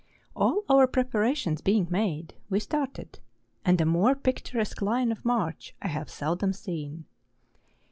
All our preparations being made, we started, and a more picturesque line of march I have seldom seen.